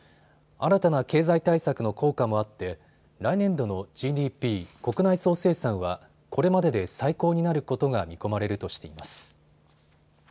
新たな経済対策の効果もあって来年度のＧＤＰ・国内総生産は、これまでで最高になることが見込まれるとしています。